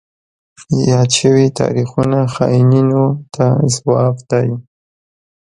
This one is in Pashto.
یاد شوي تاریخونه خاینینو ته ځواب دی.